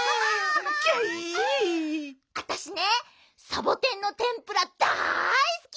あたしねサボテンのてんぷらだいすき！